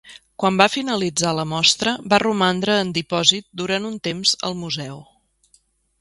Quan va finalitzar la mostra, va romandre en dipòsit durant un temps al museu.